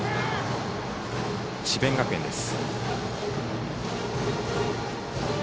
智弁学園です。